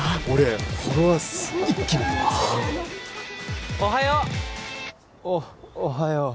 おおはよう。